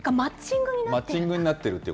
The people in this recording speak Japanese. マッチングになってるのか。